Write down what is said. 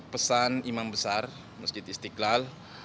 pesan imam besar masjid istiqlal